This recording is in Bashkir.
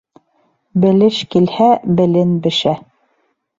Белеш килһә, белен бешә.